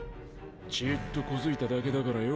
ちぃっと小突いただけだからよ。